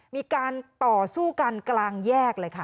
มีการต่อสู้กันกลางแยกเลยค่ะ